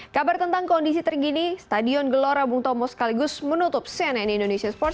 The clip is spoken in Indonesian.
kabar tentang kondisi terkini stadion gelora bung tomo sekaligus menutup cnn indonesia sports